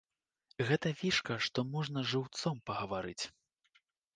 Гэта фішка, што можна жыўцом пагаварыць.